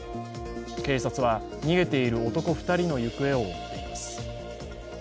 警察は逃げている男２人の行方を追っています。